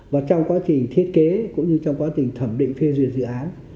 và trong quá trình thiết kế cũng như trong quá trình thẩm định phê duyệt dự án